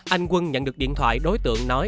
anh quân nhận được điện thoại đối tượng nói